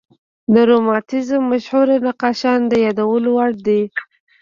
د رومانتیزم مشهور نقاشان د یادولو وړ دي.